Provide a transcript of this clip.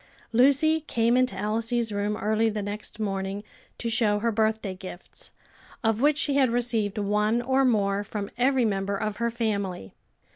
Lucy came into Elsie's room early the next morning to show her birthday gifts, of which she had received one or more from every member of her family.